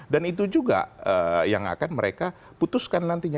itu juga yang akan mereka putuskan nantinya